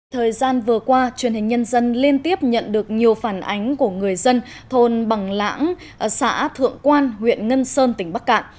thời gian vừa qua truyền hình nhân dân liên tiếp nhận được nhiều phản ánh của người dân thôn bằng lãng xã thượng quan huyện ngân sơn tỉnh bắc cạn